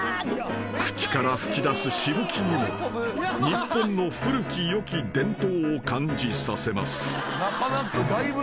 ［口から噴き出すしぶきにも日本の古き良き伝統を感じさせます］